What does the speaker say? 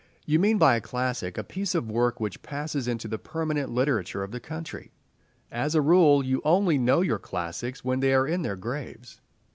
You mean by a classic a piece of work which passes into the permanent literature of the country. As a rule, you only know your classics when they are in their graves.